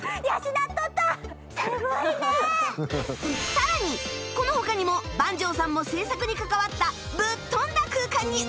さらにこの他にも番匠さんも制作に関わったぶっとんだ空間にお出かけ！